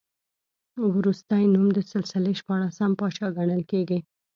وروستی نوم د سلسلې شپاړسم پاچا ګڼل کېږي.